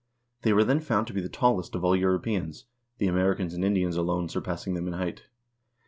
They were then found to be the tallest of all Europeans, the Americans and Indians alone surpassing them in height.